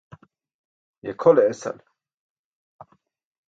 Ye khole esal!